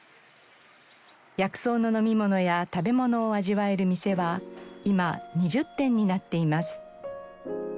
薬草の飲み物や食べ物を味わえる店は今２０店になっています。